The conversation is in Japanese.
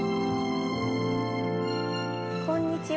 こんにちは。